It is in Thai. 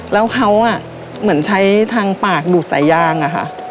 แล้วเขาเหมือนใช้ทางปากดูดสายยางอะค่ะ